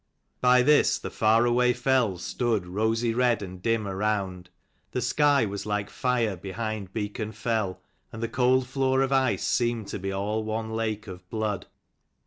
By this the far away fells 277 stood rosy red and dim around; the sky was like fire behind Beacon fell, and the cold floor of ice seemed to be all one lake of blood.